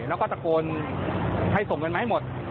แล้วก็ตะโกนให้ส่งเงินมาให้หมด